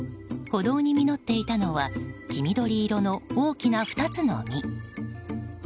歩道に実っていたのは黄緑色の大きな２つの実。